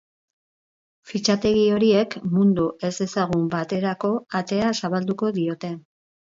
Fitxategi horiek mundu ezezagun baterako atea zabalduko diote.